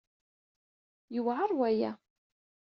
Yewɛeṛ waya.